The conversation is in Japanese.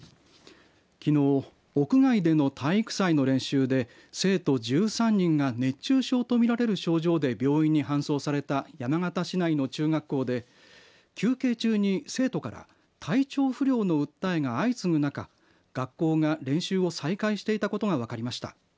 きのう、屋外での体育祭の練習で生徒１３人が熱中症と見られる症状で病院に搬送された山形市内の中学校で休憩中に生徒から体調不良の訴えが相次ぐ中学校が練習を再開していたことが分かりました。